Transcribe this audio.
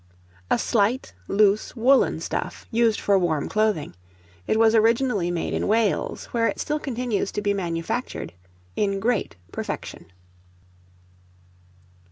A slight, loose, woollen stuff, used for warm clothing; it was originally made in Wales, where it still continues to be manufactured in great perfection.